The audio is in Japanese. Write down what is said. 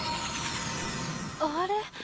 あれ？